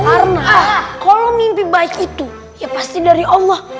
karena kalau mimpi baik itu ya pasti dari allah